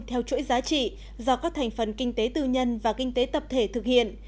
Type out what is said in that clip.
theo chuỗi giá trị do các thành phần kinh tế tư nhân và kinh tế tập thể thực hiện